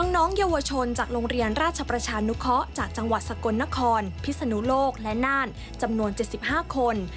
น้องเยาวชนจากโรงเรียนราชประชานุเคาะจากจังหวัดสกลนครพิศนุโลกและน่านจำนวน๗๕คน